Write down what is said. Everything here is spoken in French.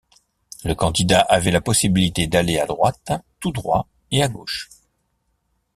Le candidat avait la possibilité d'aller à droite, tout droit et à gauche.